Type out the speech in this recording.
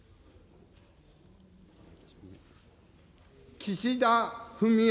岸田文雄